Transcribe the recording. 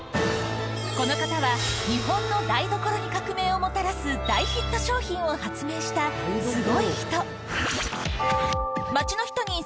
この方は日本の台所に革命をもたらす大ヒット商品を発明したすごい人。